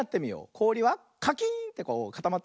こおりはカキーンってこうかたまってるね。